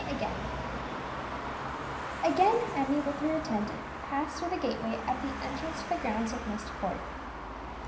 Again Emmie, with her attendant, passed through the gateway at the entrance to the grounds of Myst Court.